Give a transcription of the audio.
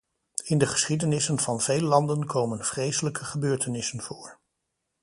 In de geschiedenissen van veel landen komen vreselijke gebeurtenissen voor.